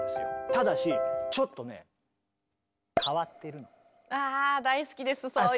ただしちょっとねああ大好きですそういう人。